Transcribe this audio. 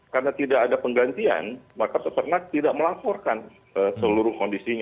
karena tidak ada penggantian maka sepertinya tidak melaporkan seluruh kondisinya